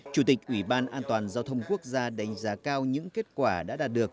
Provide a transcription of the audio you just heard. chủ tịch ủy ban an toàn giao thông quốc gia đánh giá cao những kết quả đã đạt được